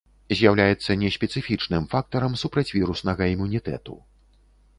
З'яўляецца неспецыфічным фактарам супрацьвіруснага імунітэту.